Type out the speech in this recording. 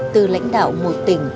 từ lãnh đạo một tỉnh